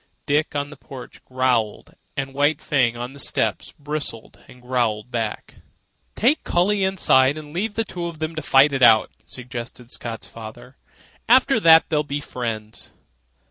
Dick, on the porch, growled, and White Fang, on the steps, bristled and growled back. "Take Collie inside and leave the two of them to fight it out," suggested Scott's father. "After that they'll be friends."